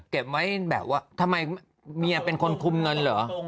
เก็บไว้แบบว่าทำไมเมียเป็นคนคุมเงินเหรอ